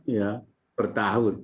ya per tahun